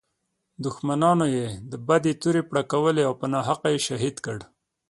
دښمنانو یې د بدۍ تورې پړکولې او په ناحقه یې شهید کړ.